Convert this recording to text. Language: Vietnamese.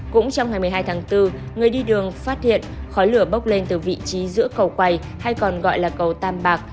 cũng trong ngày một mươi hai tháng bốn người đi đường phát hiện khói lửa bốc lên từ vị trí giữa cầu quầy hay còn gọi là cầu tam bạc